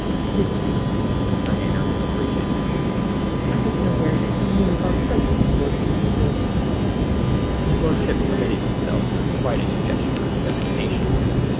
"Did he?" Her manner was frigid. "I wasn't aware that he knew of our presence aboard the Milagrosa." His lordship permitted himself the slightest gesture of impatience.